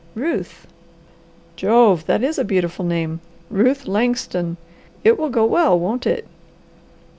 "Ruth!" "Jove! That is a beautiful name. Ruth Langston. It will go well, won't it?"